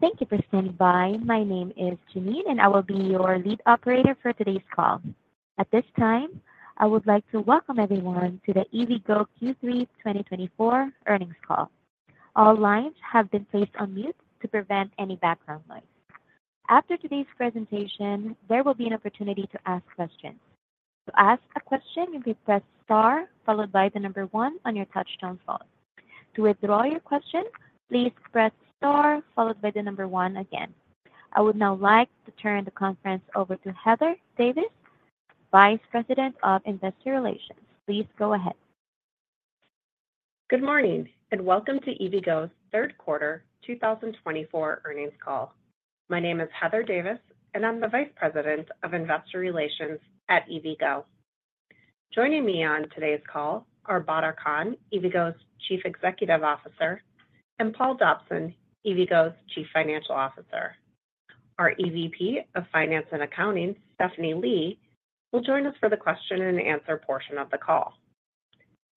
Thank you for standing by. My name is Janine, and I will be your lead operator for today's call. At this time, I would like to welcome everyone to the EVgo Q3 2024 Earnings Call. All lines have been placed on mute to prevent any background noise. After today's presentation, there will be an opportunity to ask questions. To ask a question, you may press star followed by the number one on your touch-tone phone. To withdraw your question, please press star followed by the number one again. I would now like to turn the conference over to Heather Davis, Vice President of Investor Relations. Please go ahead. Good morning and welcome to EVgo's Q3 2024 Earnings Call. My name is Heather Davis, and I'm the Vice President of Investor Relations at EVgo. Joining me on today's call are Badar Khan, EVgo's Chief Executive Officer, and Paul Dobson, EVgo's Chief Financial Officer. Our EVP of Finance and Accounting, Stephanie Lee, will join us for the question-and-answer portion of the call.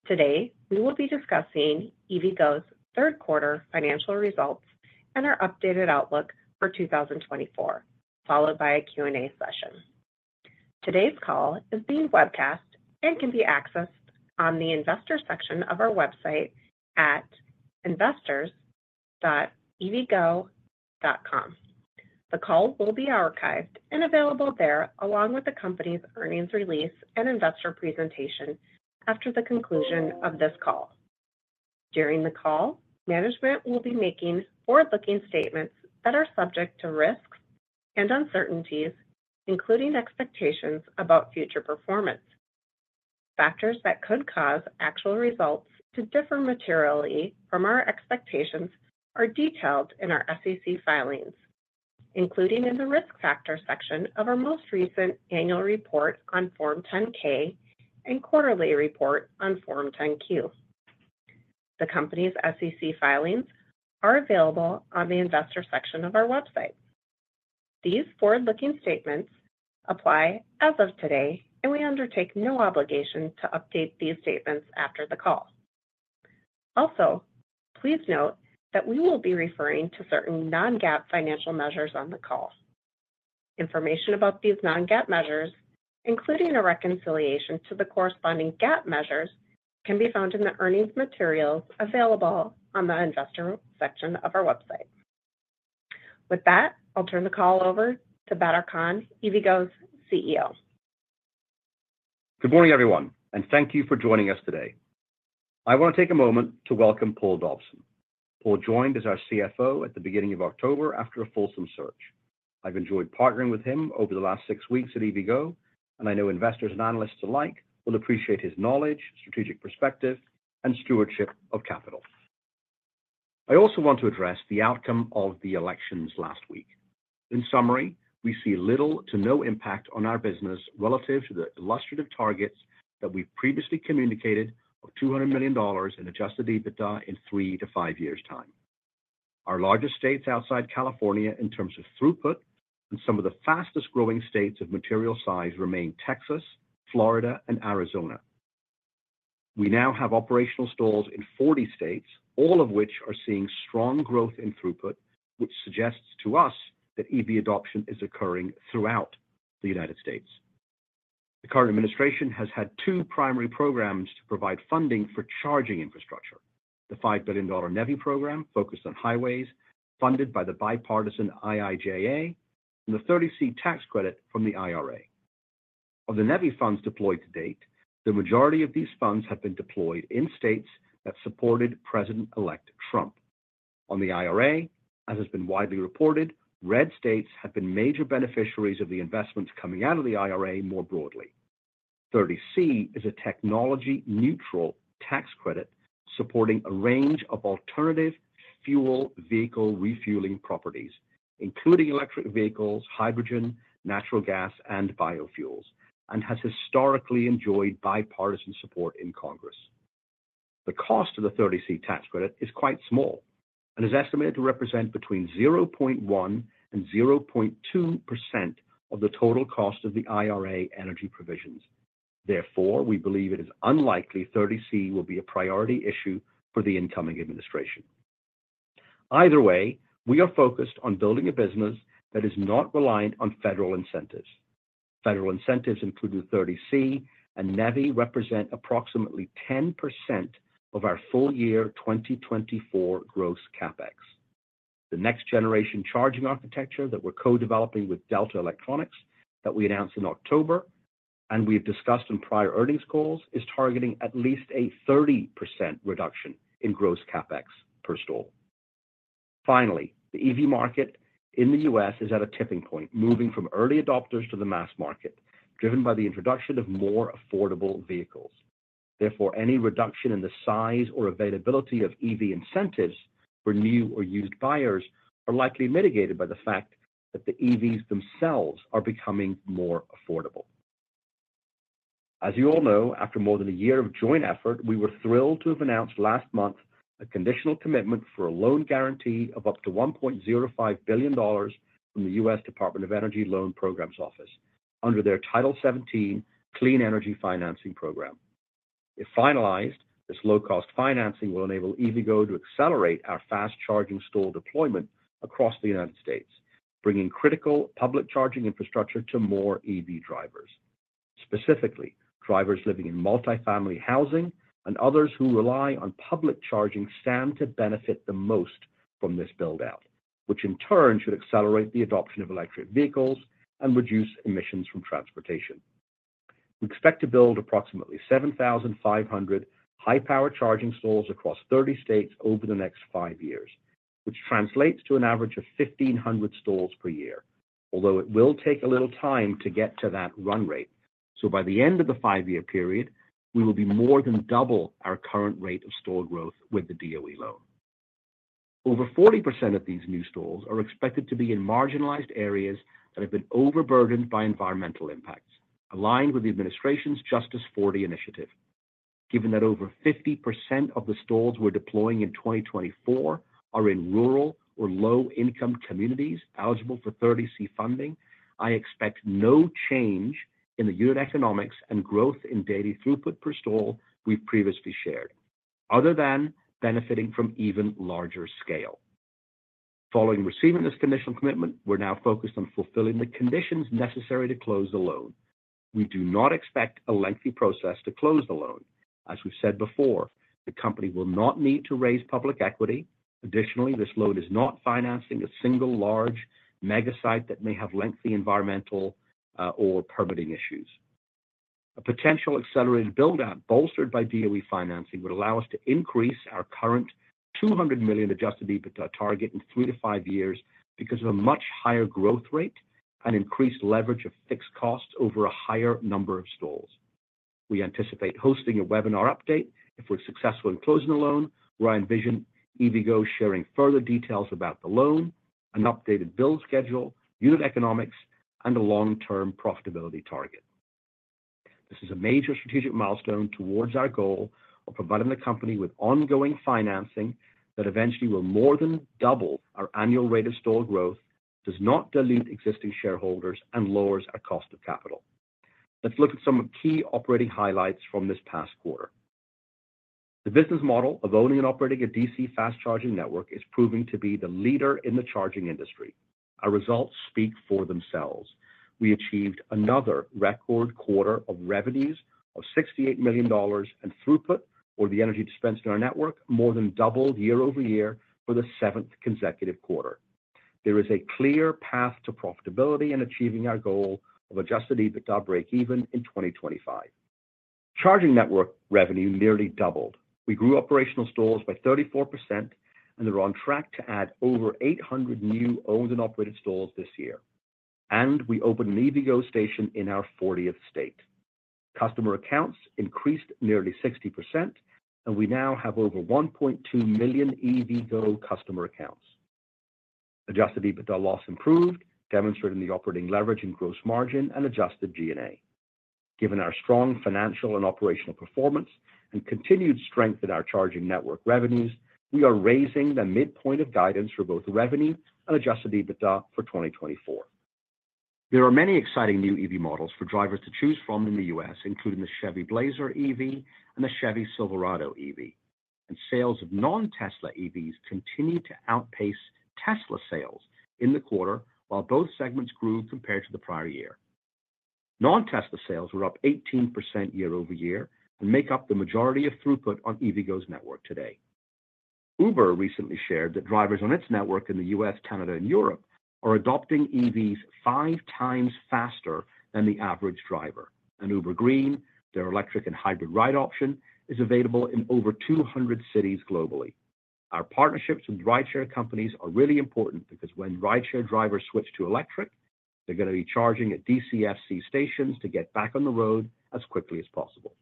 Today, we will be discussing EVgo's Q3 Financial Results and our updated Outlook for 2024, followed by a Q&A session. Today's call is being webcast and can be accessed on the investor section of our website at investors.evgo.com. The call will be archived and available there along with the company's earnings release and investor presentation after the conclusion of this call. During the call, management will be making forward-looking statements that are subject to risks and uncertainties, including expectations about future performance. Factors that could cause actual results to differ materially from our expectations are detailed in our SEC filings, including in the risk factor section of our most recent annual report on Form 10-K and quarterly report on Form 10-Q. The company's SEC filings are available on the investor section of our website. These forward-looking statements apply as of today, and we undertake no obligation to update these statements after the call. Also, please note that we will be referring to certain non-GAAP financial measures on the call. Information about these non-GAAP measures, including a reconciliation to the corresponding GAAP measures, can be found in the earnings materials available on the investor section of our website. With that, I'll turn the call over to Badar Khan, EVgo's CEO. Good morning, everyone, and thank you for joining us today. I want to take a moment to welcome Paul Dobson. Paul joined as our CFO at the beginning of October after a fulsome search. I've enjoyed partnering with him over the last six weeks at EVgo, and I know investors and analysts alike will appreciate his knowledge, strategic perspective, and stewardship of capital. I also want to address the outcome of the elections last week. In summary, we see little to no impact on our business relative to the illustrative targets that we've previously communicated of $200 million in Adjusted EBITDA in three to five years' time. Our largest states outside California in terms of throughput and some of the fastest-growing states of material size remain Texas, Florida, and Arizona. We now have operational stalls in 40 states, all of which are seeing strong growth in throughput, which suggests to us that EV adoption is occurring throughout the United States. The current administration has had two primary programs to provide funding for charging infrastructure: the $5 billion NEVI program focused on highways, funded by the bipartisan IIJA, and the 30C tax credit from the IRA. Of the NEVI funds deployed to date, the majority of these funds have been deployed in states that supported President-elect Trump. On the IRA, as has been widely reported, red states have been major beneficiaries of the investments coming out of the IRA more broadly. 30C is a technology-neutral tax credit supporting a range of alternative fuel vehicle refueling properties, including electric vehicles, hydrogen, natural gas, and biofuels, and has historically enjoyed bipartisan support in Congress. The cost of the 30C Tax Credit is quite small and is estimated to represent between 0.1% and 0.2% of the total cost of the IRA energy provisions. Therefore, we believe it is unlikely 30C will be a priority issue for the incoming administration. Either way, we are focused on building a business that is not reliant on federal incentives. Federal incentives include the 30C, and NEVI represent approximately 10% of our full-year 2024 gross CapEx. The next-generation charging architecture that we're co-developing with Delta Electronics that we announced in October and we've discussed in prior earnings calls is targeting at least a 30% reduction in gross CapEx per stall. Finally, the EV market in the U.S. is at a tipping point, moving from early adopters to the mass market, driven by the introduction of more affordable vehicles. Therefore, any reduction in the size or availability of EV incentives for new or used buyers is likely mitigated by the fact that the EVs themselves are becoming more affordable. As you all know, after more than a year of joint effort, we were thrilled to have announced last month a conditional commitment for a loan guarantee of up to $1.05 billion from the U.S. Department of Energy Loan Programs Office under their Title 17 Clean Energy Financing Program. If finalized, this low-cost financing will enable EVgo to accelerate our fast-charging stall deployment across the United States, bringing critical public charging infrastructure to more EV drivers. Specifically, drivers living in multifamily housing and others who rely on public charging stand to benefit the most from this build-out, which in turn should accelerate the adoption of electric vehicles and reduce emissions from transportation. We expect to build approximately 7,500 high-power charging stalls across 30 states over the next five years, which translates to an average of 1,500 stalls per year, although it will take a little time to get to that run rate. By the end of the five-year period, we will be more than double our current rate of stall growth with the DOE loan. Over 40% of these new stalls are expected to be in marginalized areas that have been overburdened by environmental impacts, aligned with the administration's Justice40 Initiative. Given that over 50% of the stalls we're deploying in 2024 are in rural or low-income communities eligible for 30C funding, I expect no change in the unit economics and growth in daily throughput per stall we've previously shared, other than benefiting from even larger scale. Following receiving this conditional commitment, we're now focused on fulfilling the conditions necessary to close the loan. We do not expect a lengthy process to close the loan. As we've said before, the company will not need to raise public equity. Additionally, this loan is not financing a single large mega site that may have lengthy environmental or permitting issues. A potential accelerated build-out bolstered by DOE financing would allow us to increase our current $200 million Adjusted EBITDA target in three to five years because of a much higher growth rate and increased leverage of fixed costs over a higher number of stalls. We anticipate hosting a webinar update if we're successful in closing the loan, where I envision EVgo sharing further details about the loan, an updated build schedule, unit economics, and a long-term profitability target. This is a major strategic milestone towards our goal of providing the company with ongoing financing that eventually will more than double our annual rate of stall growth, does not dilute existing shareholders, and lowers our cost of capital. Let's look at some key operating highlights from this past quarter. The business model of owning and operating a DC fast-charging network is proving to be the leader in the charging industry. Our results speak for themselves. We achieved another record quarter of revenues of $68 million in throughput for the energy dispensed in our network, more than doubled year over year for the seventh consecutive quarter. There is a clear path to profitability in achieving our goal of adjusted EBITDA break-even in 2025. Charging network revenue nearly doubled. We grew operational stalls by 34%, and we're on track to add over 800 new owned and operated stalls this year. And we opened an EVgo station in our 40th state. Customer accounts increased nearly 60%, and we now have over 1.2 million EVgo customer accounts. Adjusted EBITDA loss improved, demonstrated in the operating leverage and gross margin and adjusted G&A. Given our strong financial and operational performance and continued strength in our charging network revenues, we are raising the midpoint of guidance for both revenue and adjusted EBITDA for 2024. There are many exciting new EV models for drivers to choose from in the U.S., including the Chevy Blazer EV and the Chevy Silverado EV. And sales of non-Tesla EVs continue to outpace Tesla sales in the quarter, while both segments grew compared to the prior year. Non-Tesla sales were up 18% year over year and make up the majority of throughput on EVgo's network today. Uber recently shared that drivers on its network in the U.S., Canada, and Europe are adopting EVs five times faster than the average driver. And Uber Green, their electric and hybrid ride option, is available in over 200 cities globally. Our partnerships with rideshare companies are really important because when rideshare drivers switch to electric, they're going to be charging at DCFC stations to get back on the road as quickly as possible.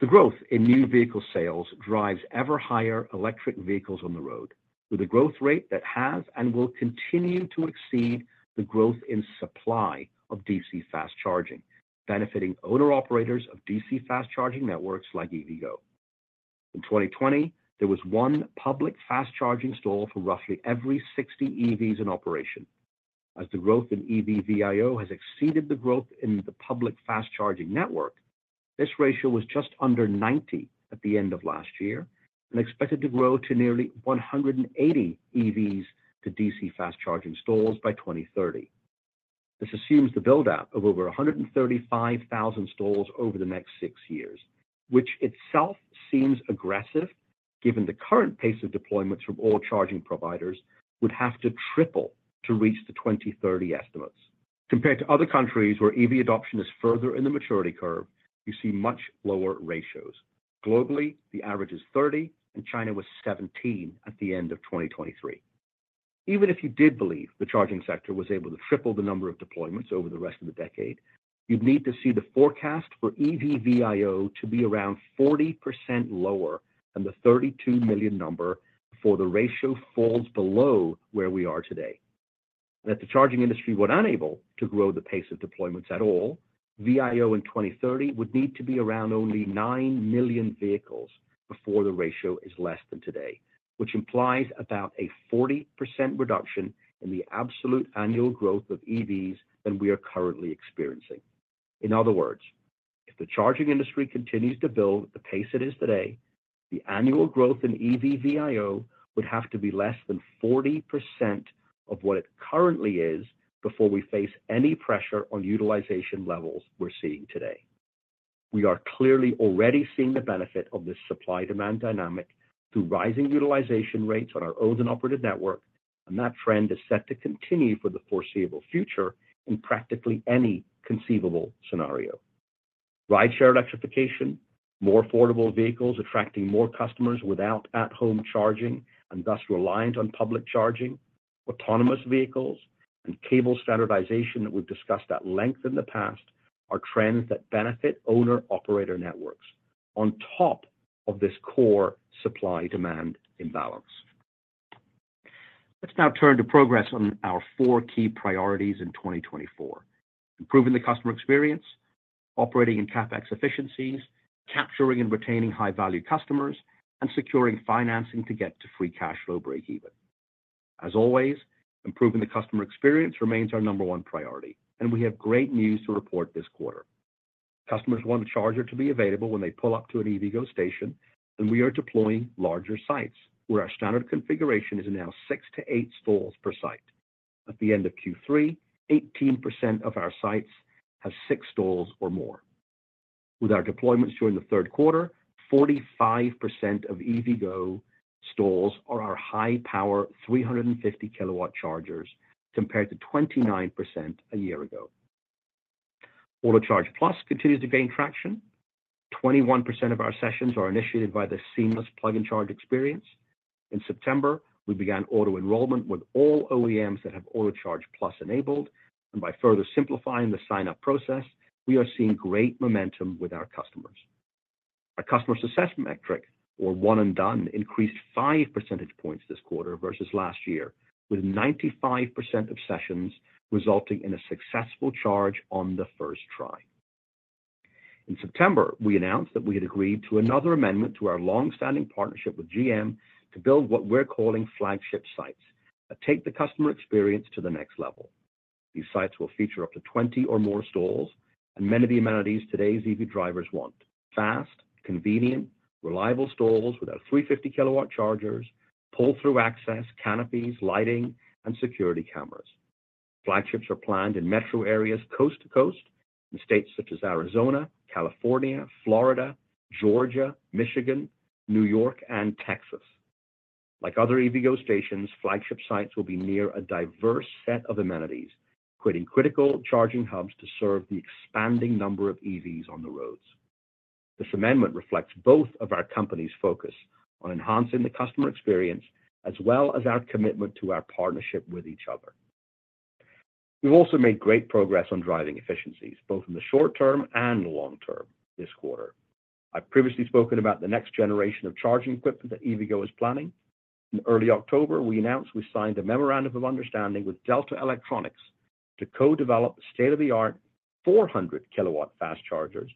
The growth in new vehicle sales drives ever higher electric vehicles on the road, with a growth rate that has and will continue to exceed the growth in supply of DC fast charging, benefiting owner-operators of DC fast charging networks like EVgo. In 2020, there was one public fast-charging stall for roughly every 60 EVs in operation. As the growth in EV VIO has exceeded the growth in the public fast-charging network, this ratio was just under 90 at the end of last year and expected to grow to nearly 180 EVs to DC fast-charging stalls by 2030. This assumes the build-out of over 135,000 stalls over the next six years, which itself seems aggressive given the current pace of deployments from all charging providers would have to triple to reach the 2030 estimates. Compared to other countries where EV adoption is further in the maturity curve, you see much lower ratios. Globally, the average is 30, and China was 17 at the end of 2023. Even if you did believe the charging sector was able to triple the number of deployments over the rest of the decade, you'd need to see the forecast for EV VIO to be around 40% lower than the 32 million number before the ratio falls below where we are today. And if the charging industry were unable to grow the pace of deployments at all, VIO in 2030 would need to be around only nine million vehicles before the ratio is less than today, which implies about a 40% reduction in the absolute annual growth of EVs than we are currently experiencing. In other words, if the charging industry continues to build at the pace it is today, the annual growth in EV VIO would have to be less than 40% of what it currently is before we face any pressure on utilization levels we're seeing today. We are clearly already seeing the benefit of this supply-demand dynamic through rising utilization rates on our owned and operated network, and that trend is set to continue for the foreseeable future in practically any conceivable scenario. Rideshare electrification, more affordable vehicles attracting more customers without at-home charging and thus reliant on public charging, autonomous vehicles, and cable standardization that we've discussed at length in the past are trends that benefit owner-operator networks on top of this core supply-demand imbalance. Let's now turn to progress on our four key priorities in 2024: improving the customer experience, operating in CapEx efficiencies, capturing and retaining high-value customers, and securing financing to get to free cash flow break-even. As always, improving the customer experience remains our number one priority, and we have great news to report this quarter. Customers want a charger to be available when they pull up to an EVgo station, and we are deploying larger sites where our standard configuration is now six to eight stalls per site. At the end of Q3, 18% of our sites have six stalls or more. With our deployments during the Q3, 45% of EVgo stalls are our high-power 350 kilowatt chargers compared to 29% a year ago. Autocharge+ continues to gain traction. 21% of our sessions are initiated by the seamless plug-and-charge experience. In September, we began auto-enrollment with all OEMs that have Autocharge+ enabled, and by further simplifying the sign-up process, we are seeing great momentum with our customers. Our customer success metric, or One & Done, increased five percentage points this quarter versus last year, with 95% of sessions resulting in a successful charge on the first try. In September, we announced that we had agreed to another amendment to our long-standing partnership with GM to build what we're calling Flagship Sites, a take the customer experience to the next level. These sites will feature up to 20 or more stalls and many of the amenities today's EV drivers want: fast, convenient, reliable stalls with our 350-kilowatt chargers, pull-through access, canopies, lighting, and security cameras. Flagship sites are planned in metro areas coast to coast in states such as Arizona, California, Florida, Georgia, Michigan, New York, and Texas. Like other EVgo stations, Flagship sites will be near a diverse set of amenities, creating critical charging hubs to serve the expanding number of EVs on the roads. This amendment reflects both of our companies' focus on enhancing the customer experience as well as our commitment to our partnership with each other. We've also made great progress on driving efficiencies, both in the short term and long term, this quarter. I've previously spoken about the next generation of charging equipment that EVgo is planning. In early October, we announced we signed a memorandum of understanding with Delta Electronics to co-develop state-of-the-art 400-kilowatt fast chargers,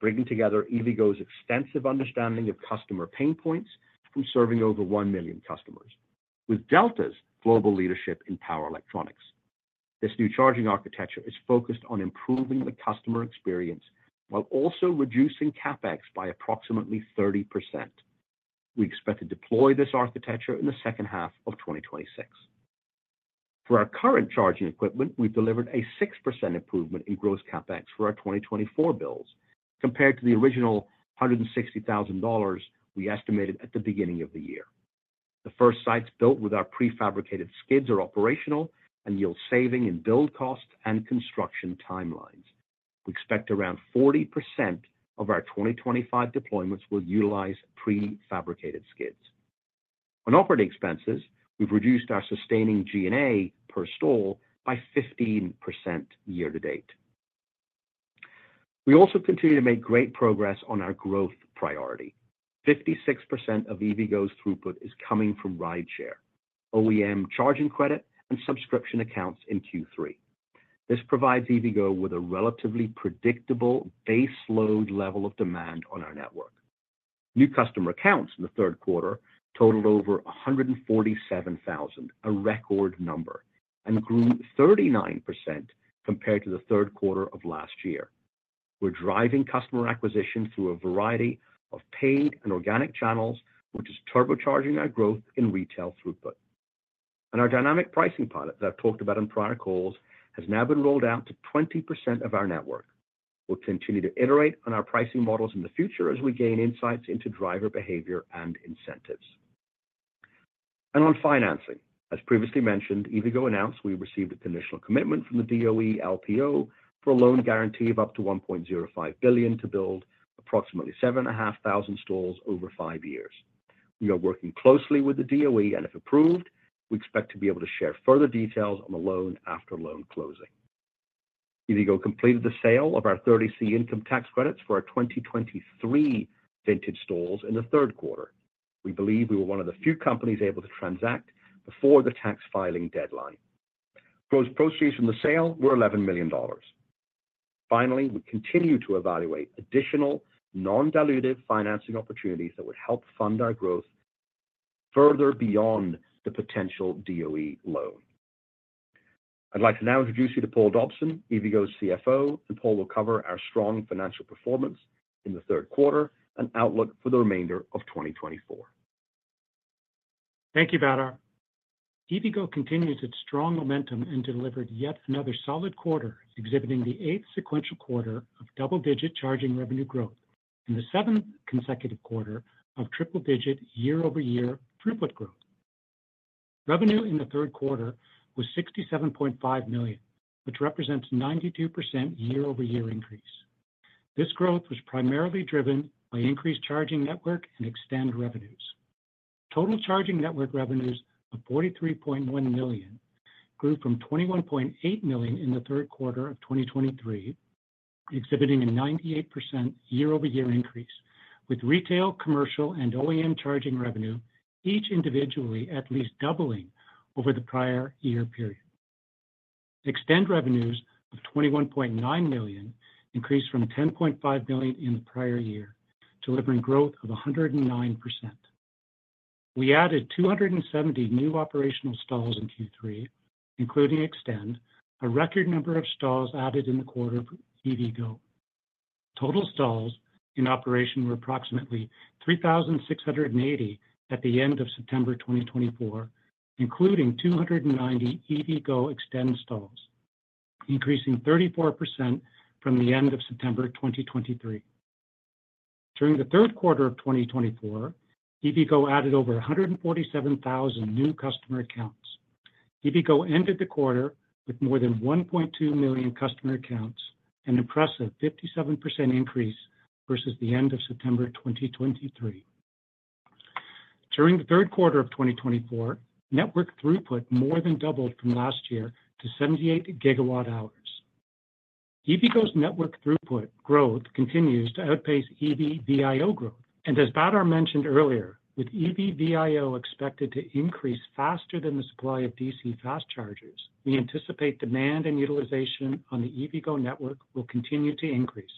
bringing together EVgo's extensive understanding of customer pain points from serving over 1 million customers, with Delta's global leadership in power electronics. This new charging architecture is focused on improving the customer experience while also reducing CapEx by approximately 30%. We expect to deploy this architecture in the second half of 2026. For our current charging equipment, we've delivered a 6% improvement in gross CapEx for our 2024 builds compared to the original $160,000 we estimated at the beginning of the year. The first sites built with our prefabricated skids are operational and yield savings in build costs and construction timelines. We expect around 40% of our 2025 deployments will utilize prefabricated skids. On operating expenses, we've reduced our sustaining G&A per stall by 15% year to date. We also continue to make great progress on our growth priority. 56% of EVgo's throughput is coming from rideshare, OEM charging credit, and subscription accounts in Q3. This provides EVgo with a relatively predictable base load level of demand on our network. New customer accounts in the Q3 totaled over 147,000, a record number, and grew 39% compared to the Q3 of last year. We're driving customer acquisition through a variety of paid and organic channels, which is turbocharging our growth in retail throughput. Our dynamic pricing pilot that I've talked about in prior calls has now been rolled out to 20% of our network. We'll continue to iterate on our pricing models in the future as we gain insights into driver behavior and incentives. On financing, as previously mentioned, EVgo announced we received a conditional commitment from the DOE LPO for a loan guarantee of up to $1.05 billion to build approximately 7,500 stalls over five years. We are working closely with the DOE, and if approved, we expect to be able to share further details on the loan after loan closing. EVgo completed the sale of our 30C income tax credits for our 2023 vintage stalls in the Q3. We believe we were one of the few companies able to transact before the tax filing deadline. Gross proceeds from the sale were $11 million. Finally, we continue to evaluate additional non-dilutive financing opportunities that would help fund our growth further beyond the potential DOE loan. I'd like to now introduce you to Paul Dobson, EVgo's CFO, and Paul will cover our strong financial performance in the Q3 and outlook for the remainder of 2024. Thank you, Badar. EVgo continues its strong momentum and delivered yet another solid quarter, exhibiting the eighth sequential quarter of double-digit charging revenue growth and the seventh consecutive quarter of triple-digit year-over-year throughput growth. Revenue in the Q3 was $67.5 million, which represents a 92% year-over-year increase. This growth was primarily driven by increased charging network and expanded revenues. Total charging network revenues of $43.1 million grew from $21.8 million in the Q3 of 2023, exhibiting a 98% year-over-year increase, with retail, commercial, and OEM charging revenue each individually at least doubling over the prior year period. eXtend revenues of $21.9 million increased from $10.5 million in the prior year, delivering growth of 109%. We added 270 new operational stalls in Q3, including eXtend, a record number of stalls added in the quarter for EVgo. Total stalls in operation were approximately 3,680 at the end of September 2024, including 290 EVgo eXtend stalls, increasing 34% from the end of September 2023. During the Q3 of 2024, EVgo added over 147,000 new customer accounts. EVgo ended the quarter with more than 1.2 million customer accounts, an impressive 57% increase versus the end of September 2023. During the Q3 of 2024, network throughput more than doubled from last year to 78 gigawatt-hours. EVgo's network throughput growth continues to outpace EV VIO growth, and as Badar mentioned earlier, with EV VIO expected to increase faster than the supply of DC fast chargers, we anticipate demand and utilization on the EVgo network will continue to increase.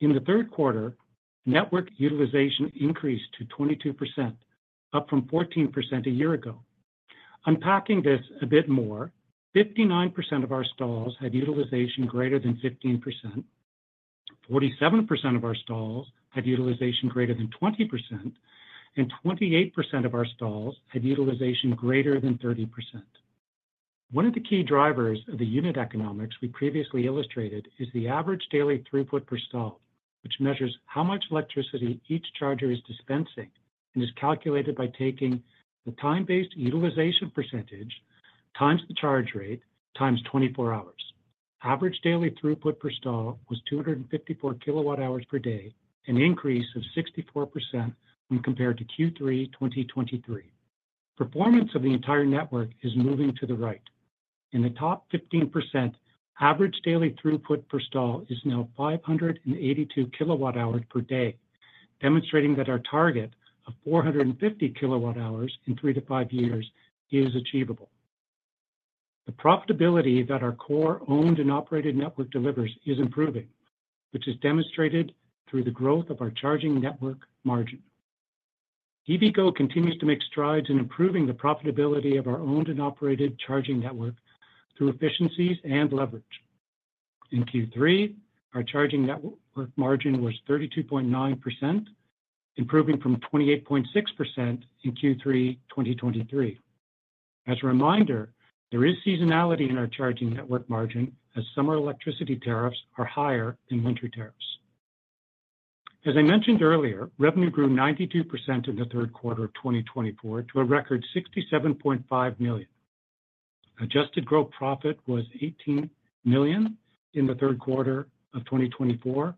In the Q3, network utilization increased to 22%, up from 14% a year ago. Unpacking this a bit more, 59% of our stalls had utilization greater than 15%, 47% of our stalls had utilization greater than 20%, and 28% of our stalls had utilization greater than 30%. One of the key drivers of the unit economics we previously illustrated is the average daily throughput per stall, which measures how much electricity each charger is dispensing and is calculated by taking the time-based utilization percentage times the charge rate times 24 hours. Average daily throughput per stall was 254 kilowatt-hours per day, an increase of 64% when compared to Q3 2023. Performance of the entire network is moving to the right. In the top 15%, average daily throughput per stall is now 582 kilowatt-hours per day, demonstrating that our target of 450 kilowatt-hours in three to five years is achievable. The profitability that our core owned and operated network delivers is improving, which is demonstrated through the growth of our charging network margin. EVgo continues to make strides in improving the profitability of our owned and operated charging network through efficiencies and leverage. In Q3, our charging network margin was 32.9%, improving from 28.6% in Q3 2023. As a reminder, there is seasonality in our charging network margin as summer electricity tariffs are higher than winter tariffs. As I mentioned earlier, revenue grew 92% in the Q3 of 2024 to a record $67.5 million. Adjusted gross profit was $18 million in the Q3 of 2024,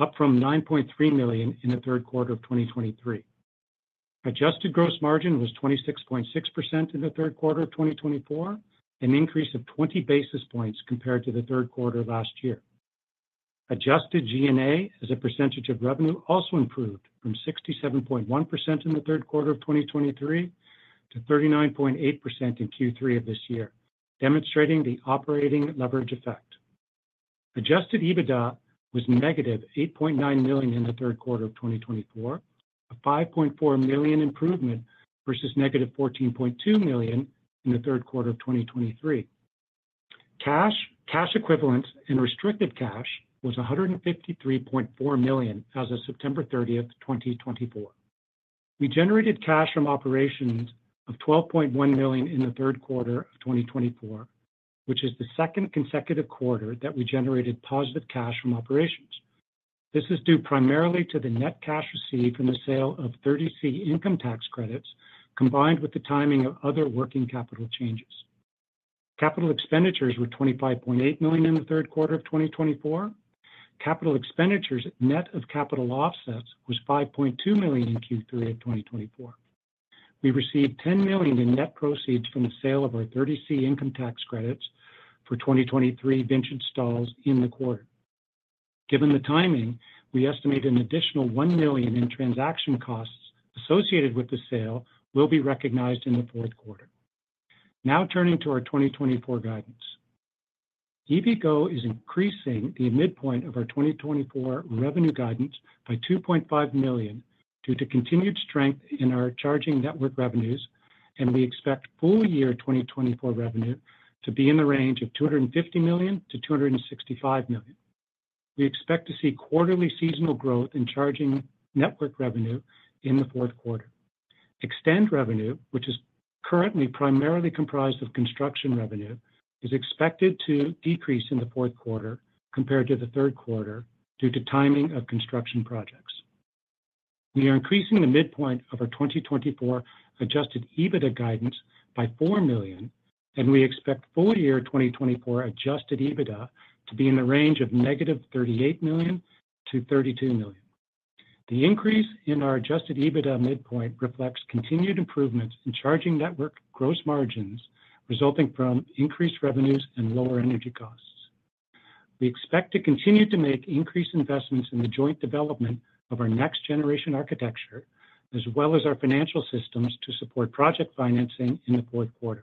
up from $9.3 million in the Q3 of 2023. Adjusted gross margin was 26.6% in the Q3 of 2024, an increase of 20 basis points compared to the Q3 of last year. Adjusted G&A as a percentage of revenue also improved from 67.1% in the Q3 of 2023 to 39.8% in Q3 of this year, demonstrating the operating leverage effect. Adjusted EBITDA was negative $8.9 million in the Q3 of 2024, a $5.4 million improvement versus negative $14.2 million in the Q3 of 2023. Cash, cash equivalents, and restricted cash was $153.4 million as of September 30, 2024. We generated cash from operations of $12.1 million in the Q3 of 2024, which is the second consecutive quarter that we generated positive cash from operations. This is due primarily to the net cash received from the sale of 30C income tax credits combined with the timing of other working capital changes. Capital expenditures were $25.8 million in the Q3 of 2024. Capital expenditures net of capital offsets was $5.2 million in Q3 of 2024. We received $10 million in net proceeds from the sale of our 30C income tax credits for 2023 vintage stalls in the quarter. Given the timing, we estimate an additional $1 million in transaction costs associated with the sale will be recognized in the Q4. Now turning to our 2024 guidance, EVgo is increasing the midpoint of our 2024 revenue guidance by $2.5 million due to continued strength in our charging network revenues, and we expect full year 2024 revenue to be in the range of $250 million-$265 million. We expect to see quarterly seasonal growth in charging network revenue in the Q4. eXtend revenue, which is currently primarily comprised of construction revenue, is expected to decrease in the Q4 compared to the Q3 due to timing of construction projects. We are increasing the midpoint of our 2024 Adjusted EBITDA guidance by $4 million, and we expect full year 2024 Adjusted EBITDA to be in the range of negative $38 million to $32 million. The increase in our Adjusted EBITDA midpoint reflects continued improvements in charging network gross margins resulting from increased revenues and lower energy costs. We expect to continue to make increased investments in the joint development of our next generation architecture, as well as our financial systems to support project financing in the Q4.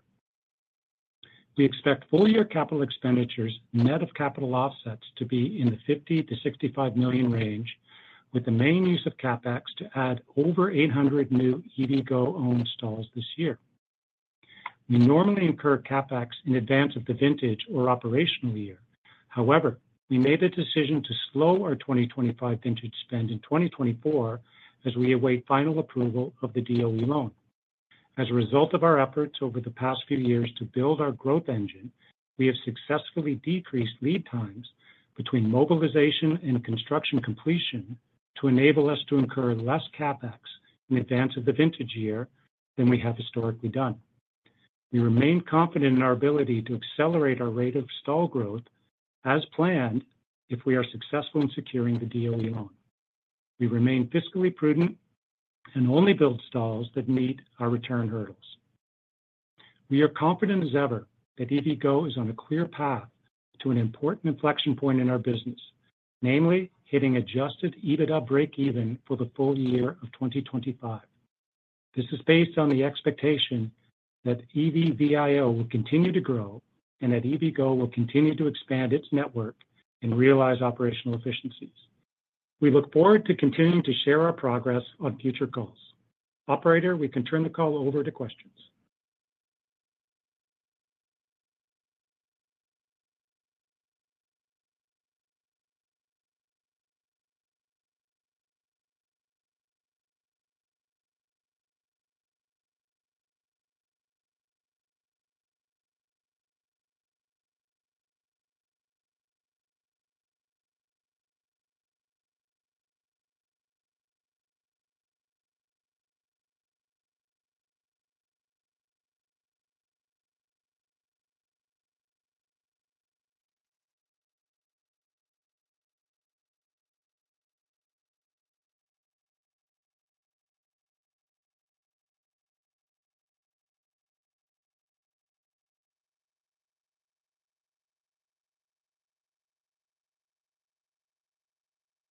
We expect full year capital expenditures net of capital offsets to be in the $50-$65 million range, with the main use of CapEx to add over 800 new EVgo-owned stalls this year. We normally incur CapEx in advance of the vintage or operational year. However, we made a decision to slow our 2025 vintage spend in 2024 as we await final approval of the DOE loan. As a result of our efforts over the past few years to build our growth engine, we have successfully decreased lead times between mobilization and construction completion to enable us to incur less CapEx in advance of the vintage year than we have historically done. We remain confident in our ability to accelerate our rate of stall growth as planned if we are successful in securing the DOE loan. We remain fiscally prudent and only build stalls that meet our return hurdles. We are confident as ever that EVgo is on a clear path to an important inflection point in our business, namely hitting Adjusted EBITDA break-even for the full year of 2025. This is based on the expectation that EV VIO will continue to grow and that EVgo will continue to expand its network and realize operational efficiencies. We look forward to continuing to share our progress on future goals. Operator, we can turn the call over to questions.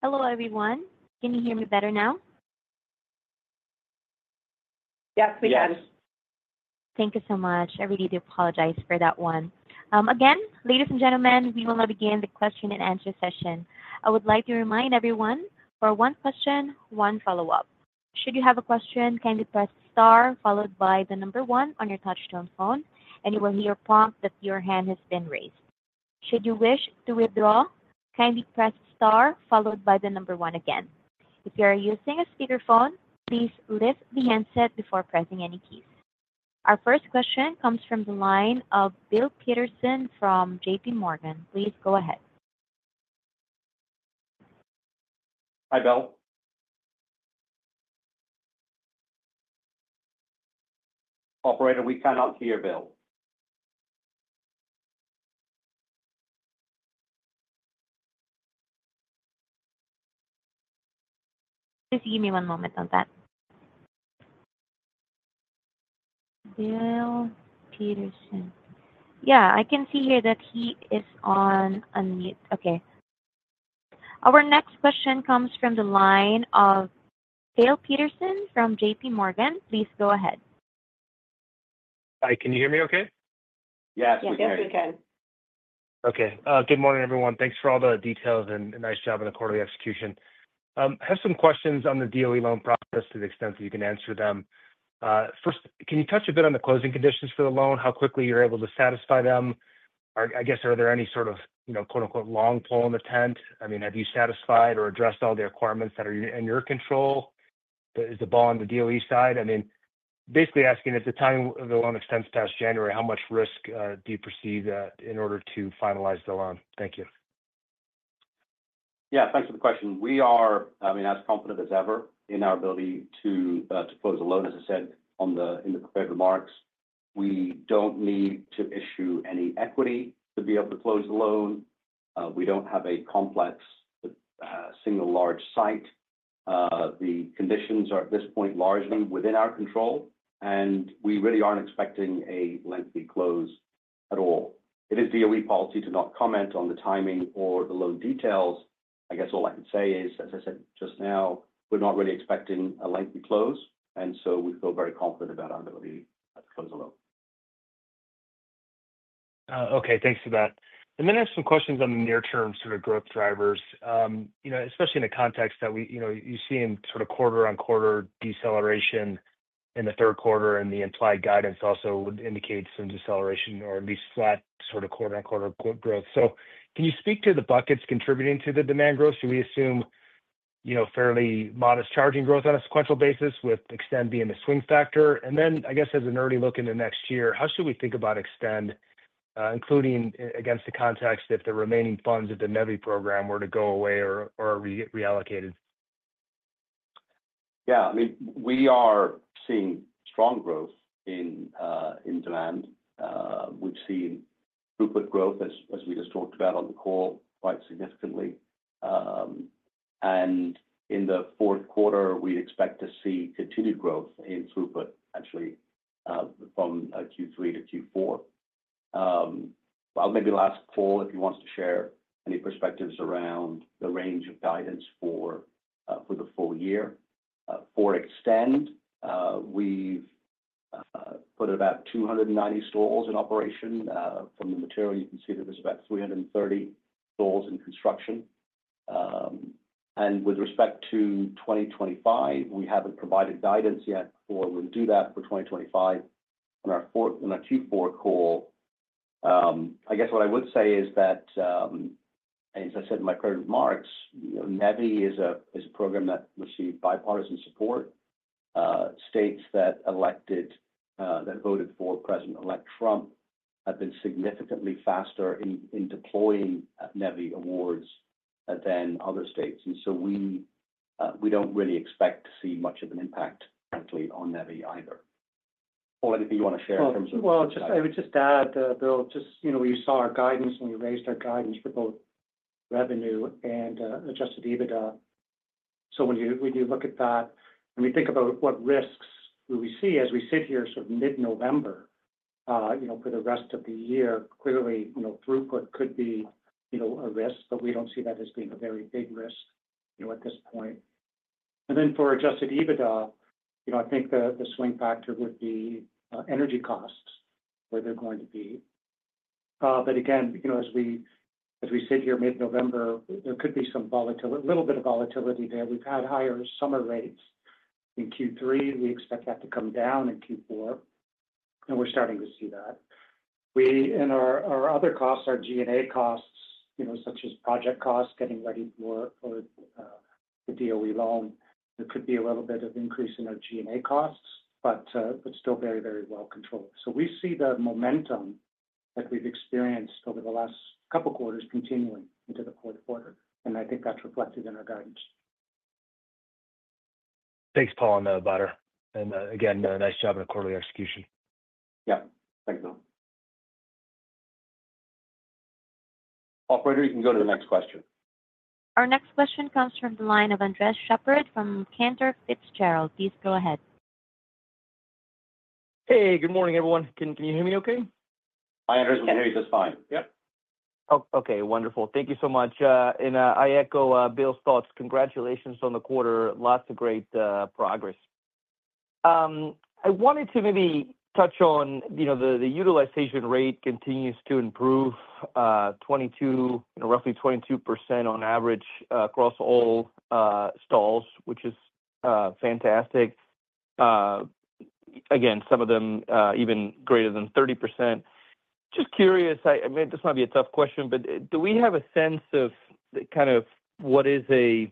Hello, everyone. Can you hear me better now? Yes, we can. Yes. Thank you so much. I really do apologize for that one. Again, ladies and gentlemen, we will now begin the question and answer session. I would like to remind everyone for one question, one follow-up. Should you have a question, kindly press star followed by the number one on your touch-tone phone, and you will hear a prompt that your hand has been raised. Should you wish to withdraw, kindly press star followed by the number one again. If you are using a speakerphone, please lift the handset before pressing any keys. Our first question comes from the line of Bill Peterson from J.P. Morgan. Please go ahead. Hi, Bill. Operator, we cannot hear Bill. Just give me one moment on that. Bill Peterson. Yeah, I can see here that he is unmuted. Okay. Our next question comes from the line of Bill Peterson from J.P. Morgan. Please go ahead. Hi, can you hear me okay? Yes, we can. Yes, we can. Okay. Good morning, everyone. Thanks for all the details and nice job on the quarterly execution. I have some questions on the DOE loan process to the extent that you can answer them. First, can you touch a bit on the closing conditions for the loan, how quickly you're able to satisfy them? I guess, are there any sort of "long pole in the tent"? I mean, have you satisfied or addressed all the requirements that are in your control? Is the ball on the DOE side? I mean, basically asking, if the time of the loan extends past January, how much risk do you perceive in order to finalize the loan? Thank you. Yeah, thanks for the question. We are, I mean, as confident as ever in our ability to close a loan, as I said in the prepared remarks. We don't need to issue any equity to be able to close the loan. We don't have a complex single large site. The conditions are at this point largely within our control, and we really aren't expecting a lengthy close at all. It is DOE policy to not comment on the timing or the loan details. I guess all I can say is, as I said just now, we're not really expecting a lengthy close, and so we feel very confident about our ability to close a loan. Okay, thanks for that. And then I have some questions on the near-term sort of growth drivers, especially in the context that you see in sort of quarter-on-quarter deceleration in the Q3, and the implied guidance also would indicate some deceleration or at least flat sort of quarter-on-quarter growth. So can you speak to the buckets contributing to the demand growth? Do we assume fairly modest charging growth on a sequential basis with eXtend being the swing factor? And then, I guess, as an early look into next year, how should we think about eXtend, including against the context if the remaining funds of the NEVI program were to go away or are reallocated? Yeah, I mean, we are seeing strong growth in demand. We've seen throughput growth, as we just talked about on the call, quite significantly. And in the Q4, we expect to see continued growth in throughput, actually, from Q3 to Q4. I'll maybe ask Paul if you want to share any perspectives around the range of guidance for the full year. For eXtend, we've put about 290 stalls in operation. From the material, you can see that there's about 330 stalls in construction. And with respect to 2025, we haven't provided guidance yet for when we do that for 2025. On our Q4 call, I guess what I would say is that, as I said in my credit remarks, NEVI is a program that received bipartisan support, states that elected, that voted for President-elect Trump have been significantly faster in deploying NEVI awards than other states. And so we don't really expect to see much of an impact, frankly, on NEVI either. Or anything you want to share in terms of. I would just add, Bill, just you saw our guidance, and we raised our guidance for both revenue and Adjusted EBITDA. So when you look at that, when we think about what risks we see as we sit here sort of mid-November for the rest of the year, clearly throughput could be a risk, but we don't see that as being a very big risk at this point. And then for Adjusted EBITDA, I think the swing factor would be energy costs, where they're going to be. But again, as we sit here mid-November, there could be some volatility, a little bit of volatility there. We've had higher summer rates in Q3. We expect that to come down in Q4, and we're starting to see that. And our other costs, our G&A costs, such as project costs, getting ready for the DOE loan, there could be a little bit of increase in our G&A costs, but still very, very well controlled. So we see the momentum that we've experienced over the last couple of quarters continuing into the Q4, and I think that's reflected in our guidance. Thanks, Paul, on the budget. And again, nice job on the quarterly execution. Yeah, thanks, Bill. Operator, you can go to the next question. Our next question comes from the line of Andres Sheppard from Cantor Fitzgerald. Please go ahead. Hey, good morning, everyone. Can you hear me okay? Hi, Andres, we can hear you just fine. Yep. Oh, okay. Wonderful. Thank you so much. And I echo Bill's thoughts. Congratulations on the quarter. Lots of great progress. I wanted to maybe touch on the utilization rate continues to improve, roughly 22% on average across all stalls, which is fantastic. Again, some of them even greater than 30%. Just curious, I mean, this might be a tough question, but do we have a sense of kind of what is an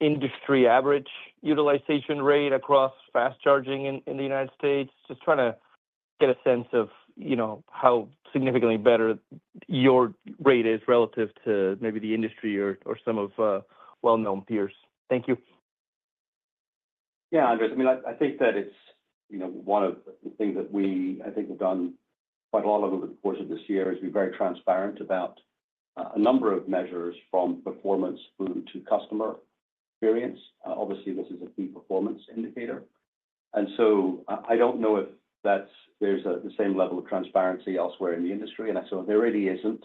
industry average utilization rate across fast charging in the United States? Just trying to get a sense of how significantly better your rate is relative to maybe the industry or some well-known peers. Thank you. Yeah, Andres, I mean, I think that it's one of the things that we, I think, have done quite a lot over the course of this year is be very transparent about a number of measures from performance through to customer experience. Obviously, this is a key performance indicator, and so I don't know if there's the same level of transparency elsewhere in the industry, and so there really isn't,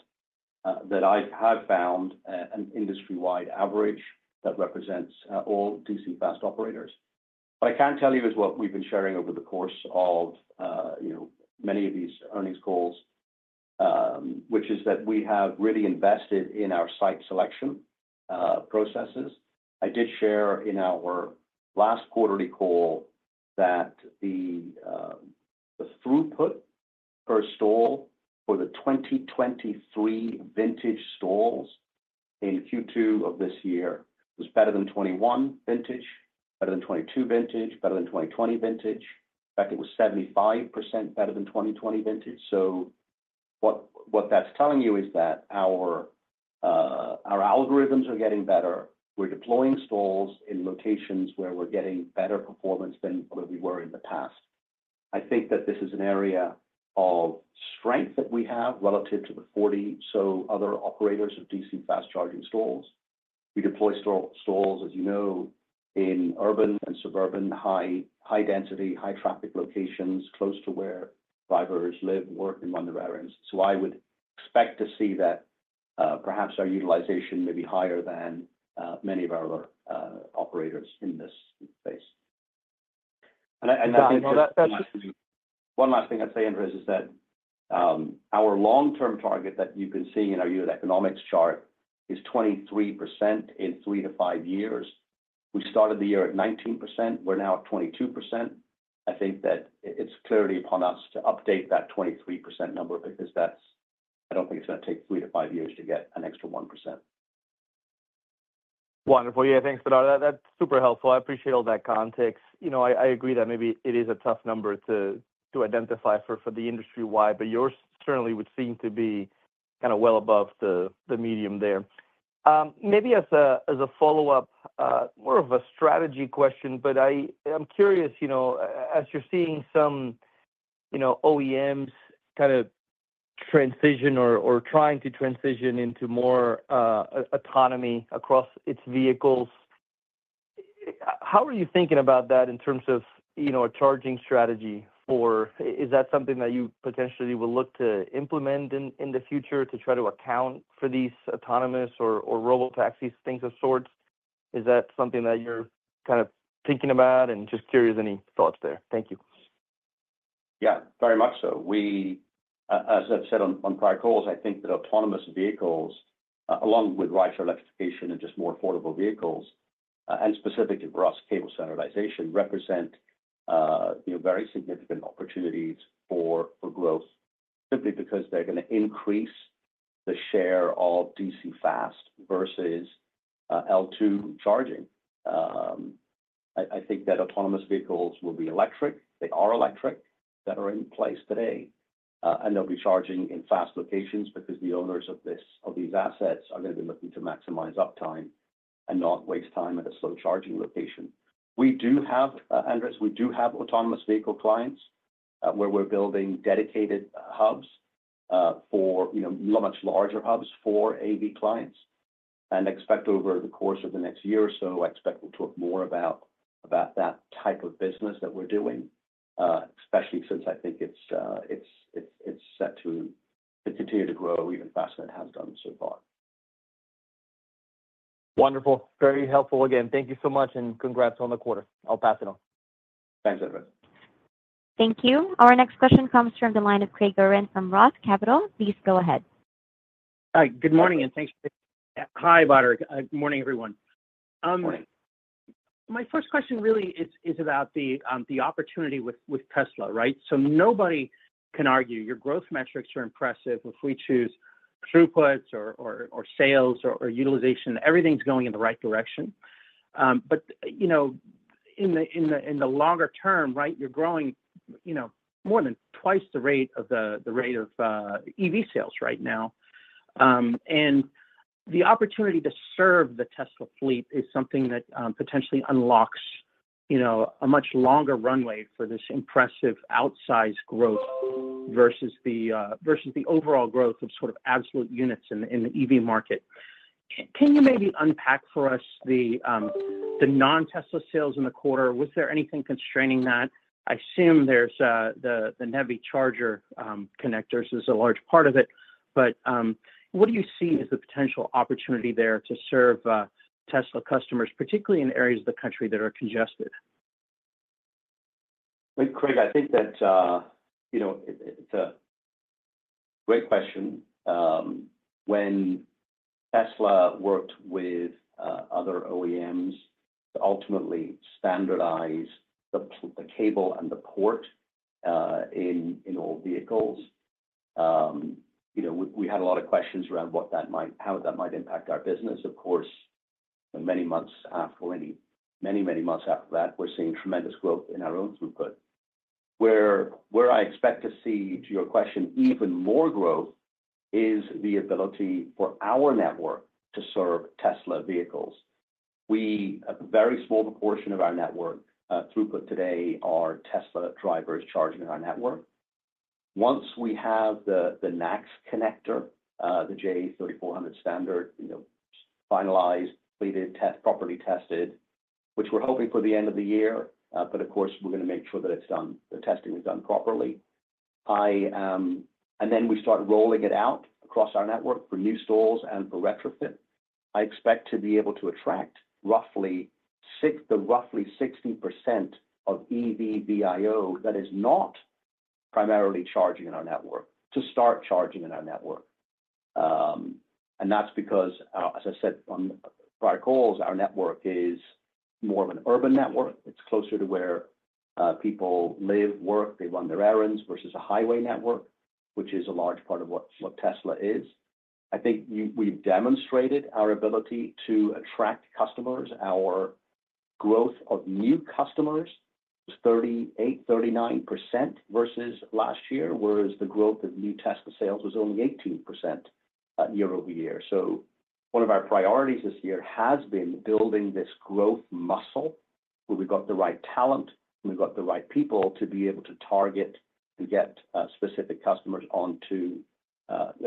that I have found, an industry-wide average that represents all DC fast operators. What I can tell you is what we've been sharing over the course of many of these earnings calls, which is that we have really invested in our site selection processes. I did share in our last quarterly call that the throughput per stall for the 2023 vintage stalls in Q2 of this year was better than 2021 vintage, better than 2022 vintage, better than 2020 vintage. In fact, it was 75% better than 2020 vintage. So what that's telling you is that our algorithms are getting better. We're deploying stalls in locations where we're getting better performance than where we were in the past. I think that this is an area of strength that we have relative to the '40, so other operators of DC fast charging stalls. We deploy stalls, as you know, in urban and suburban, high-density, high-traffic locations close to where drivers live, work, and run their errands. So I would expect to see that perhaps our utilization may be higher than many of our other operators in this space. And I think that. One last thing I'd say, Andres, is that our long-term target that you've been seeing in our year-to-economics chart is 23% in three to five years. We started the year at 19%. We're now at 22%. I think that it's clearly upon us to update that 23% number because I don't think it's going to take three to five years to get an extra 1%. Wonderful. Yeah, thanks, but that's super helpful. I appreciate all that context. I agree that maybe it is a tough number to identify for the industry-wide, but yours certainly would seem to be kind of well above the median there. Maybe as a follow-up, more of a strategy question, but I'm curious, as you're seeing some OEMs kind of transition or trying to transition into more autonomy across its vehicles, how are you thinking about that in terms of a charging strategy for it? Is that something that you potentially will look to implement in the future to try to account for these autonomous or robotaxi things of sorts? Is that something that you're kind of thinking about? And just curious, any thoughts there? Thank you. Yeah, very much so. As I've said on prior calls, I think that autonomous vehicles, along with ride-share electrification and just more affordable vehicles, and specifically for us, cable standardization, represent very significant opportunities for growth simply because they're going to increase the share of DC fast versus L2 charging. I think that autonomous vehicles will be electric. They are electric. That are in place today. And they'll be charging in fast locations because the owners of these assets are going to be looking to maximize uptime and not waste time at a slow charging location. We do have, Andres, we do have autonomous vehicle clients where we're building dedicated hubs for much larger hubs for AV clients. I expect over the course of the next year or so, I expect we'll talk more about that type of business that we're doing, especially since I think it's set to continue to grow even faster than it has done so far. Wonderful. Very helpful again. Thank you so much, and congrats on the quarter. I'll pass it on. Thanks, Andres. Thank you. Our next question comes from the line of Craig Irwin from Roth Capital. Please go ahead. Hi, good morning, and thanks. Hi, Heather. Good morning, everyone. Good morning. My first question really is about the opportunity with Tesla, right? So nobody can argue your growth metrics are impressive if we choose throughputs or sales or utilization. Everything's going in the right direction. But in the longer term, right, you're growing more than twice the rate of the rate of EV sales right now. And the opportunity to serve the Tesla fleet is something that potentially unlocks a much longer runway for this impressive outsized growth versus the overall growth of sort of absolute units in the EV market. Can you maybe unpack for us the non-Tesla sales in the quarter? Was there anything constraining that? I assume there's the NACS connectors is a large part of it, but what do you see as the potential opportunity there to serve Tesla customers, particularly in areas of the country that are congested? Craig, I think that it's a great question. When Tesla worked with other OEMs to ultimately standardize the cable and the port in all vehicles, we had a lot of questions around how that might impact our business. Of course, many months after, many, many months after that, we're seeing tremendous growth in our own throughput. Where I expect to see, to your question, even more growth is the ability for our network to serve Tesla vehicles. A very small proportion of our network throughput today are Tesla drivers charging in our network. Once we have the NACS connector, the J3400 standard, finalized, completed, properly tested, which we're hoping for the end of the year, but of course, we're going to make sure that the testing is done properly, and then we start rolling it out across our network for new stalls and for retrofit. I expect to be able to attract roughly 60% of EV VIO that is not primarily charging in our network to start charging in our network, and that's because, as I said on prior calls, our network is more of an urban network. It's closer to where people live, work, they run their errands versus a highway network, which is a large part of what Tesla is. I think we've demonstrated our ability to attract customers. Our growth of new customers was 38%-39% versus last year, whereas the growth of new Tesla sales was only 18% year over year, so one of our priorities this year has been building this growth muscle where we've got the right talent and we've got the right people to be able to target and get specific customers onto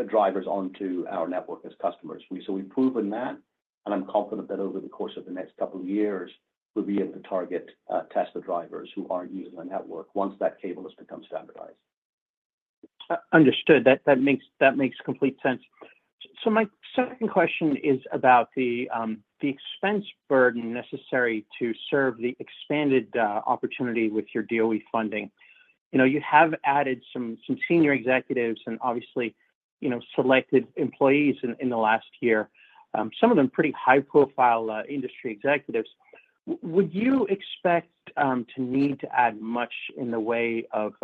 drivers onto our network as customers. So we've proven that, and I'm confident that over the course of the next couple of years, we'll be able to target Tesla drivers who aren't using our network once that cable has become standardized. Understood. That makes complete sense. So my second question is about the expense burden necessary to serve the expanded opportunity with your DOE funding. You have added some senior executives and obviously selected employees in the last year, some of them pretty high-profile industry executives. Would you expect to need to add much in the way of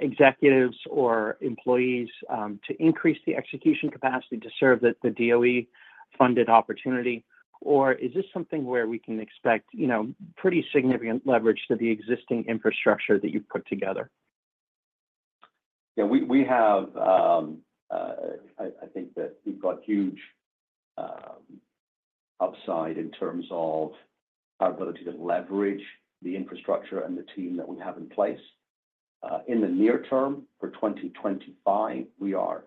executives or employees to increase the execution capacity to serve the DOE-funded opportunity? Or is this something where we can expect pretty significant leverage to the existing infrastructure that you've put together? Yeah, we have, I think that we've got huge upside in terms of our ability to leverage the infrastructure and the team that we have in place. In the near term for 2025, we are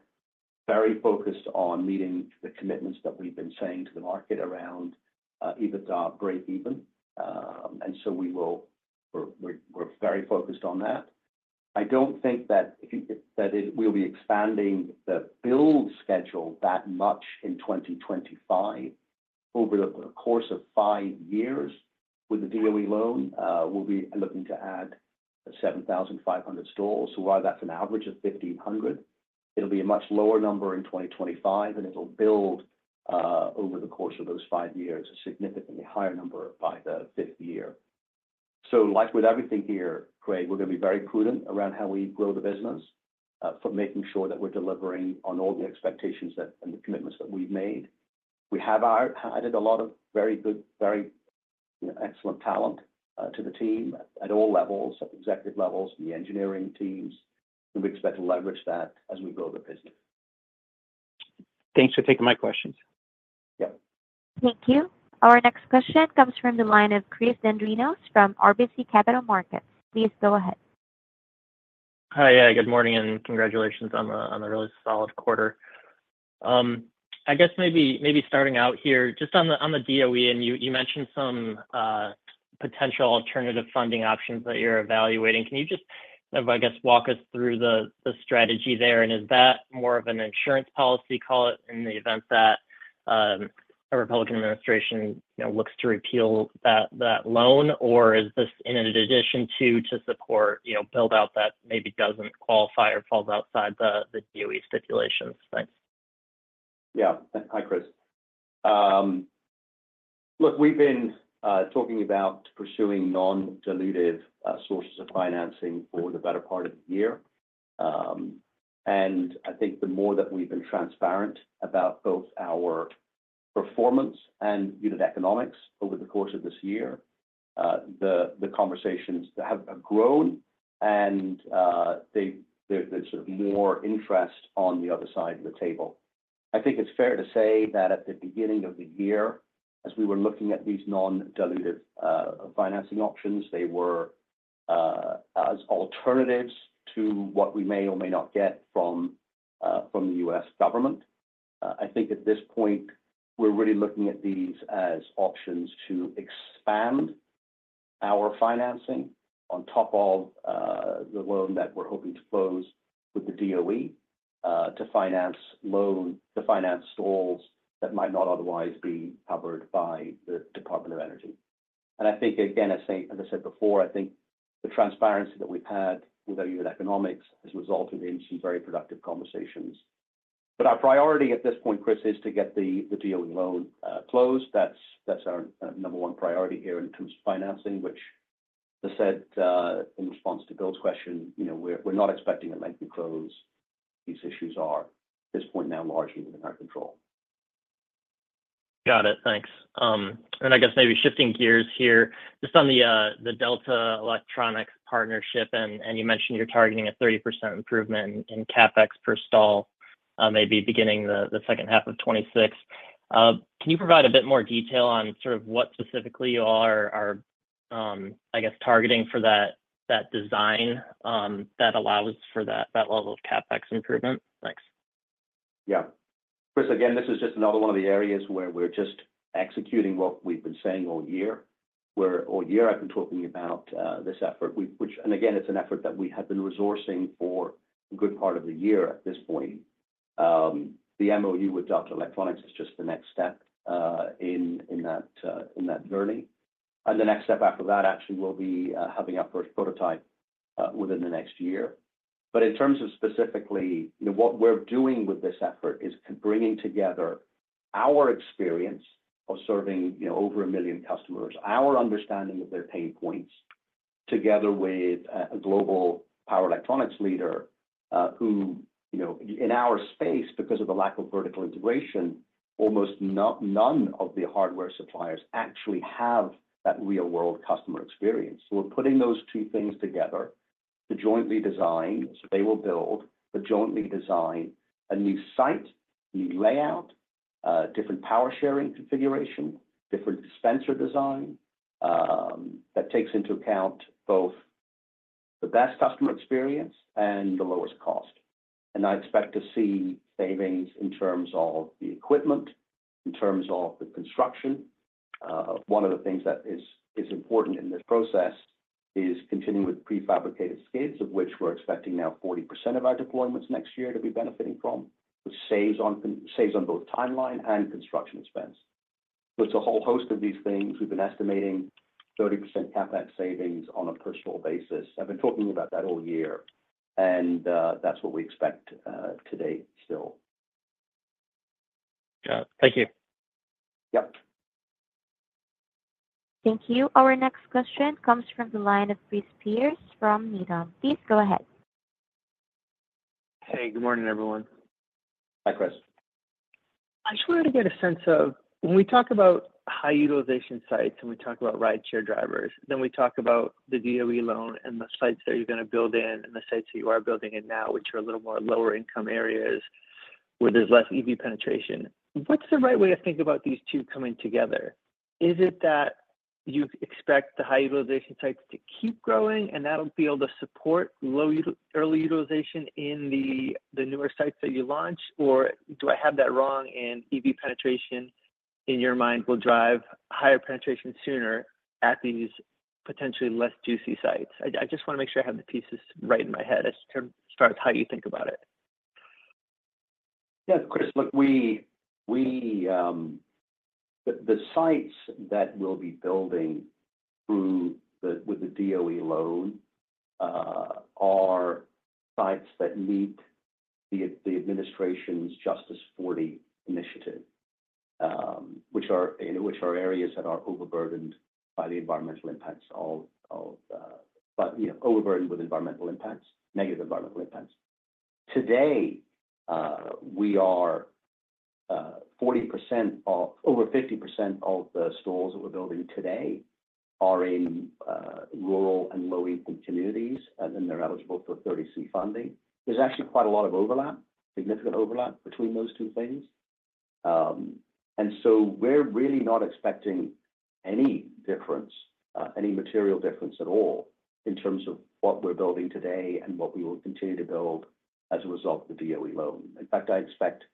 very focused on meeting the commitments that we've been saying to the market around EVgo EBITDA break-even, so we will. We're very focused on that. I don't think that we'll be expanding the build schedule that much in 2025. Over the course of five years with the DOE loan, we'll be looking to add 7,500 stalls, so while that's an average of 1,500, it'll be a much lower number in 2025, and it'll build over the course of those five years a significantly higher number by the fifth year. So like with everything here, Craig, we're going to be very prudent around how we grow the business, making sure that we're delivering on all the expectations and the commitments that we've made. We have added a lot of very good, very excellent talent to the team at all levels, at executive levels, the engineering teams. And we expect to leverage that as we grow the business. Thanks for taking my questions. Yep. Thank you. Our next question comes from the line of Chris Dendrinos from RBC Capital Markets. Please go ahead. Hi, yeah, good morning, and congratulations on a really solid quarter. I guess maybe starting out here, just on the DOE, and you mentioned some potential alternative funding options that you're evaluating. Can you just, I guess, walk us through the strategy there? And is that more of an insurance policy, call it, in the event that a Republican administration looks to repeal that loan? Or is this in addition to support, build out that maybe doesn't qualify or falls outside the DOE stipulations? Thanks. Yeah. Hi, Chris. Look, we've been talking about pursuing non-dilutive sources of financing for the better part of the year. And I think the more that we've been transparent about both our performance and unit economics over the course of this year, the conversations have grown, and there's sort of more interest on the other side of the table. I think it's fair to say that at the beginning of the year, as we were looking at these non-dilutive financing options, they were as alternatives to what we may or may not get from the U.S. government. I think at this point, we're really looking at these as options to expand our financing on top of the loan that we're hoping to close with the DOE to finance stalls that might not otherwise be covered by the Department of Energy. And I think, again, as I said before, I think the transparency that we've had with our unit economics has resulted in some very productive conversations. But our priority at this point, Chris, is to get the DOE loan closed. That's our number one priority here in terms of financing, which, as I said in response to Bill's question, we're not expecting a lengthy close. These issues are at this point now largely within our control. Got it. Thanks. And I guess maybe shifting gears here, just on the Delta Electronics partnership, and you mentioned you're targeting a 30% improvement in CAPEX per stall maybe beginning the second half of 2026. Can you provide a bit more detail on sort of what specifically you are, I guess, targeting for that design that allows for that level of CAPEX improvement? Thanks. Yeah. Chris, again, this is just another one of the areas where we're just executing what we've been saying all year. Where all year, I've been talking about this effort, which, and again, it's an effort that we have been resourcing for a good part of the year at this point. The MOU with Delta Electronics is just the next step in that journey. And the next step after that, actually, will be having our first prototype within the next year. But in terms of specifically what we're doing with this effort is bringing together our experience of serving over a million customers, our understanding of their pain points together with a global power electronics leader who, in our space, because of the lack of vertical integration, almost none of the hardware suppliers actually have that real-world customer experience. So we're putting those two things together to jointly design, so they will build, but jointly design a new site, new layout, different power sharing configuration, different dispenser design that takes into account both the best customer experience and the lowest cost. And I expect to see savings in terms of the equipment, in terms of the construction. One of the things that is important in this process is continuing with prefabricated skids, of which we're expecting now 40% of our deployments next year to be benefiting from, which saves on both timeline and construction expense. So it's a whole host of these things. We've been estimating 30% CapEx savings on a per-stall basis. I've been talking about that all year, and that's what we expect today still. Yeah. Thank you. Yep. Thank you. Our next question comes from the line of Chris Pierce from Needham. Please go ahead. Hey, good morning, everyone. Hi, Chris. I just wanted to get a sense of, when we talk about high utilization sites and we talk about rideshare drivers, then we talk about the DOE loan and the sites that you're going to build in and the sites that you are building in now, which are a little more lower-income areas where there's less EV penetration. What's the right way to think about these two coming together? Is it that you expect the high utilization sites to keep growing and that'll be able to support early utilization in the newer sites that you launch? Or do I have that wrong and EV penetration in your mind will drive higher penetration sooner at these potentially less juicy sites? I just want to make sure I have the pieces right in my head as to start with how you think about it. Yeah. Chris, look, the sites that we'll be building with the DOE loan are sites that meet the administration's Justice40 Initiative, which are areas that are overburdened by the environmental impacts, but overburdened with environmental impacts, negative environmental impacts. Today, we are 40% of over 50% of the stalls that we're building today are in rural and low-income communities, and they're eligible for 30C funding. There's actually quite a lot of overlap, significant overlap between those two things. And so we're really not expecting any difference, any material difference at all in terms of what we're building today and what we will continue to build as a result of the DOE loan. In fact, I expect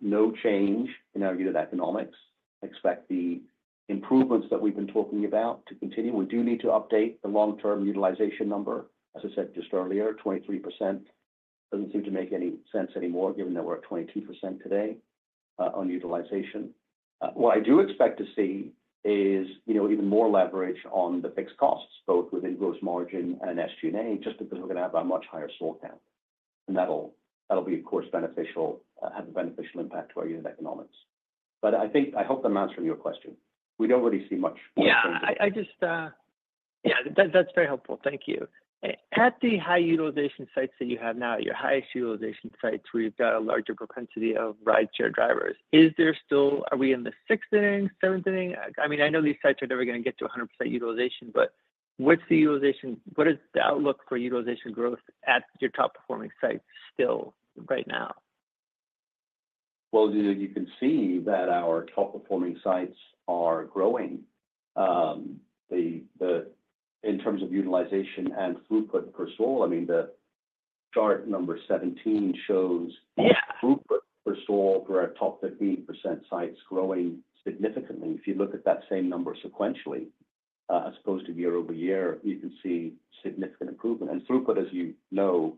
no change in our unit economics. I expect the improvements that we've been talking about to continue. We do need to update the long-term utilization number. As I said just earlier, 23% doesn't seem to make any sense anymore given that we're at 22% today on utilization. What I do expect to see is even more leverage on the fixed costs, both within gross margin and SG&A, just because we're going to have a much higher stall count. And that'll be, of course, beneficial, have a beneficial impact to our unit economics. But I hope I'm answering your question. We don't really see much long-term impact. Yeah. Yeah, that's very helpful. Thank you. At the high utilization sites that you have now, your highest utilization sites where you've got a larger propensity of rideshare drivers, are we in the sixth inning, seventh inning? I mean, I know these sites are never going to get to 100% utilization, but what's the utilization? What is the outlook for utilization growth at your top-performing sites still right now? You can see that our top-performing sites are growing. In terms of utilization and throughput per stall, I mean, the chart number 17 shows throughput per stall for our top 15% sites growing significantly. If you look at that same number sequentially, as opposed to year over year, you can see significant improvement. And throughput, as you know,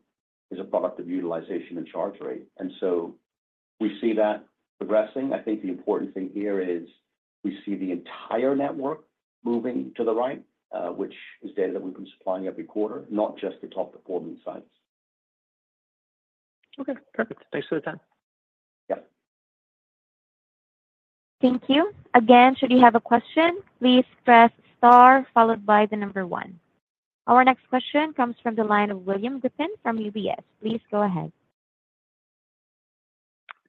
is a product of utilization and charge rate. And so we see that progressing. I think the important thing here is we see the entire network moving to the right, which is data that we've been supplying every quarter, not just the top-performing sites. Okay. Perfect. Thanks for the time. Yeah. Thank you. Again, should you have a question, please press star followed by the number one. Our next question comes from the line of William Grippin from UBS. Please go ahead.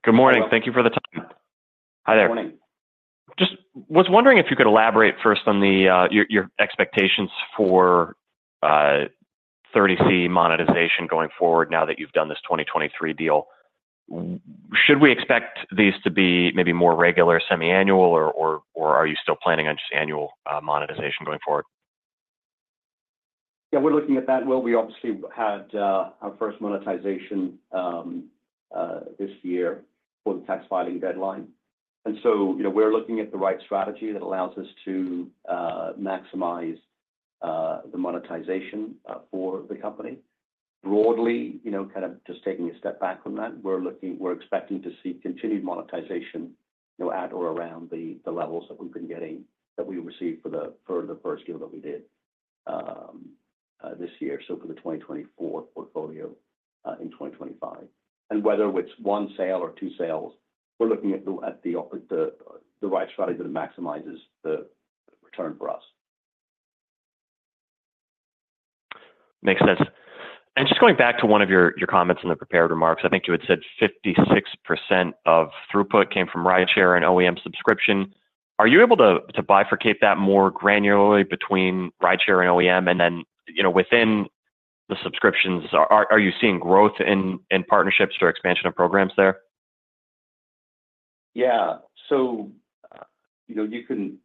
Good morning. Thank you for the time. Hi there. Good morning. Just was wondering if you could elaborate first on your expectations for 30C monetization going forward now that you've done this 2023 deal. Should we expect these to be maybe more regular semi-annual, or are you still planning on just annual monetization going forward? Yeah, we're looking at that. We obviously had our first monetization this year for the tax filing deadline. We're looking at the right strategy that allows us to maximize the monetization for the company. Broadly, kind of just taking a step back from that, we're expecting to see continued monetization at or around the levels that we've been getting that we received for the first deal that we did this year, so for the 2024 portfolio in 2025. Whether it's one sale or two sales, we're looking at the right strategy that maximizes the return for us. Makes sense, and just going back to one of your comments in the prepared remarks. I think you had said 56% of throughput came from rideshare and OEM subscription. Are you able to bifurcate that more granularly between rideshare and OEM, and then within the subscriptions, are you seeing growth in partnerships or expansion of programs there? Yeah. So you can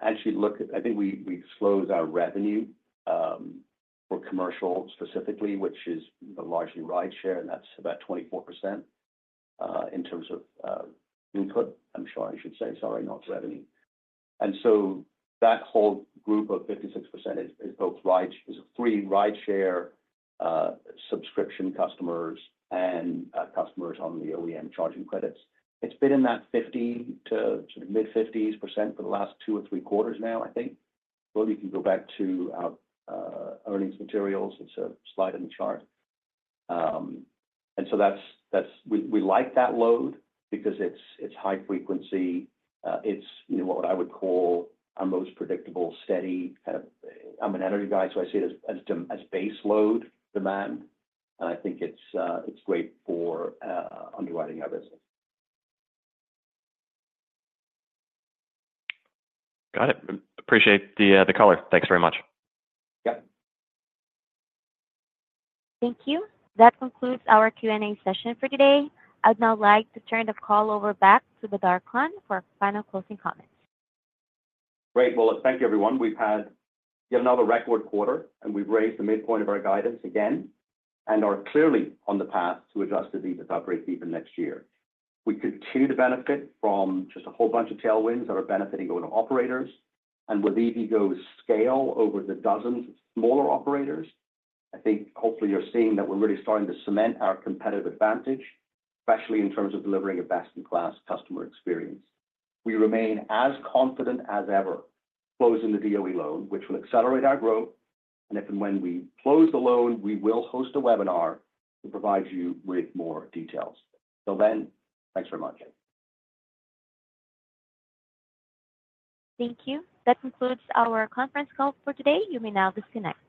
actually look at, I think we disclose our revenue for commercial specifically, which is largely rideshare, and that's about 24% in terms of input. I'm sorry, I should say, sorry, not revenue. And so that whole group of 56% is both three rideshare subscription customers and customers on the OEM charging credits. It's been in that 50% to mid-50s% for the last two or three quarters now, I think. Well, you can go back to our earnings materials. It's a slide in the chart. And so we like that load because it's high frequency. It's what I would call our most predictable, steady. I'm an energy guy, so I see it as base load demand. And I think it's great for underwriting our business. Got it. Appreciate the color. Thanks very much. Yep. Thank you. That concludes our Q&A session for today. I'd now like to turn the call over back to Badar Khan for final closing comments. Great. Well, thank you, everyone. We've had yet another record quarter, and we've raised the midpoint of our guidance again and are clearly on the path to Adjusted EBITDA breakeven next year. We continue to benefit from just a whole bunch of tailwinds that are benefiting our operators. And with EVgo's scale over the dozens of smaller operators, I think hopefully you're seeing that we're really starting to cement our competitive advantage, especially in terms of delivering a best-in-class customer experience. We remain as confident as ever closing the DOE loan, which will accelerate our growth. And if and when we close the loan, we will host a webinar to provide you with more details. So then, thanks very much. Thank you. That concludes our conference call for today. You may now disconnect.